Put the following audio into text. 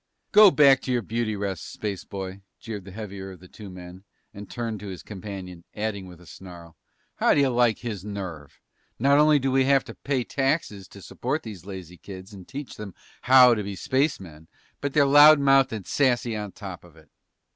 "Go back to your beauty rest, spaceboy!" jeered the heavier of the two men and turned to his companion, adding with a snarl, "How do you like his nerve? We not only have to pay taxes to support these lazy kids and teach them how to be spacemen, but they're loud mouthed and sassy on top of it!"